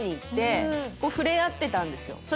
触れ合ってたんですよ。